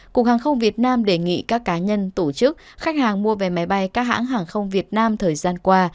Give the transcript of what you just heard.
cục hàng không việt nam đề nghị các cá nhân tổ chức khách hàng mua về máy bay các hãng hàng không việt nam thời gian qua